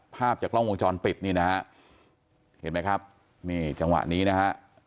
ภาพจากกล้องวงจรปิดนี่นะฮะเห็นไหมครับนี่จังหวะนี้นะฮะ